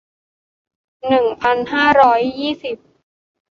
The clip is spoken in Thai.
หนึ่งพันห้าร้อยยี่สิบ